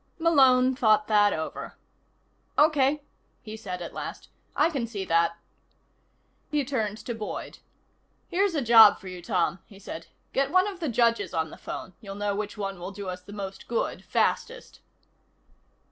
Malone thought that over. "Okay," he said at last. "I can see that." He turned to Boyd. "Here's a job for you, Tom," he said. "Get one of the judges on the phone. You'll know which one will do us the most good, fastest."